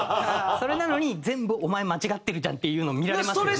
それなのに全部「お前間違ってるじゃん」っていうの見られますよね。